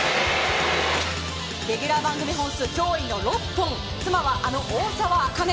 レギュラー番組本数、驚異の６本妻はあの大沢あかね。